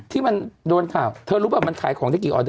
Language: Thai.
ที่มันโดนข่าวเธอรู้ป่ะมันขายของได้กี่ออเด